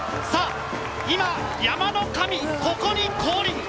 さあ、今、山の神、ここに降臨。